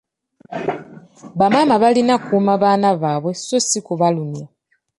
Bamaama balina kukuuma baana baabwe so ssi kubalumya.